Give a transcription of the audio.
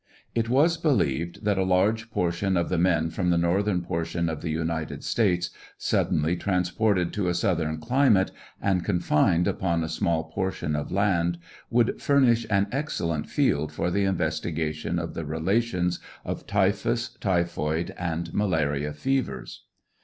It was believed that a large portion of the men from the Northern por tion of the United States, suddenly transported to a Southern cli mate, and confined upon a small portion of land, would furnish an excellent field for the investigation of the relations of typhus, ty phoid, and malarial fevers.